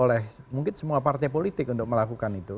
oleh mungkin semua partai politik untuk melakukan itu